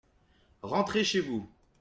Rentrez chez vous.